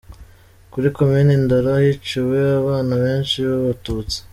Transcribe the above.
Kuri Komini Ndora, hiciwe abana benshi b’Abatutsi.